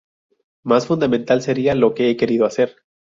Más fundamental sería lo que he querido hacer.